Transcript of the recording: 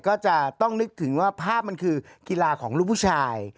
ก็จะต้องนึกถึงว่าภาพมันคือกีฬาของลูกผู้ชาย